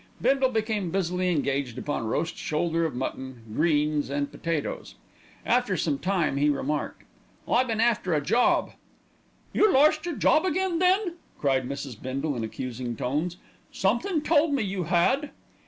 Bindle became busily engaged upon roast shoulder of mutton, greens and potatoes. After some time he remarked, "I been after a job." "You lorst your job again, then?" cried Mrs. Bindle in accusing tones. "Somethin' told me you had."